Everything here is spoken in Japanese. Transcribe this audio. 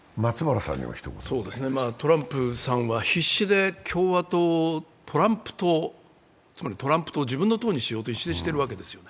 トランプさんは必死で共和党をトランプ党、つまり自分の党にしようと、必死でしているんですよ。